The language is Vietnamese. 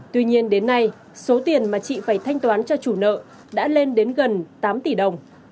tuy nhiên đến nay số tiền mà chị phải thanh toán cho chủ nợ đã lên đến gần tám tỷ đồng